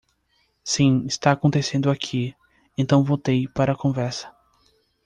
Sim, está acontecendo aqui, então voltei para a conversa.